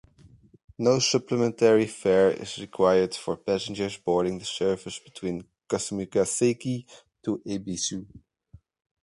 No supplementary fare is required for passengers boarding the service between Kasumigaseki to Ebisu.